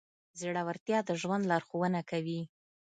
زړهورتیا د ژوند لارښوونه کوي.